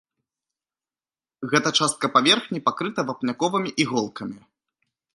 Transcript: Гэта частка паверхні пакрыта вапняковымі іголкамі.